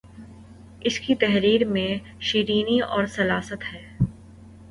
اسکی تحریر میں شیرینی اور سلاست ہے